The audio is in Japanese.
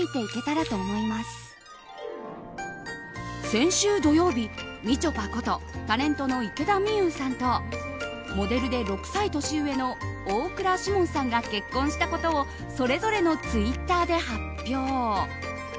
先週土曜日、みちょぱことタレントの池田美優さんとモデルで６歳年上の大倉士門さんが結婚したことをそれぞれのツイッターで発表。